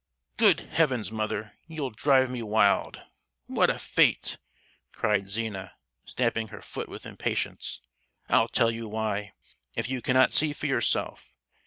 "Good heavens, mother, you'll drive me wild! What a fate!" cried Zina, stamping her foot with impatience. "I'll tell you why, if you can't see for yourself.